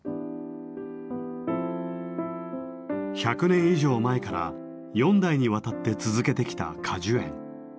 １００年以上前から４代にわたって続けてきた果樹園。